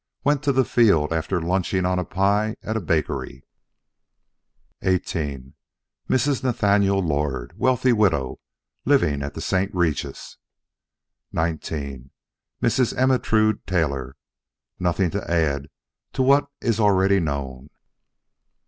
Went to the field after lunching on pie at a bakery. XVIII Mrs. Nathaniel Lord, wealthy widow, living at the St. Regis. XIX Mrs. Ermentrude Taylor. (Nothing to add to what is already known.)